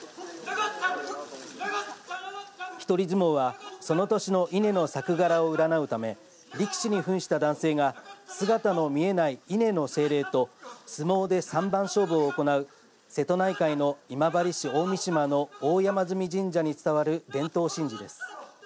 一人角力はその年の稲の作柄を占うため力士にふんした男性が姿の見えない稲の精霊と相撲で３番勝負を行う瀬戸内海の今治市大三島の大山祇神社に伝わる伝統神事です。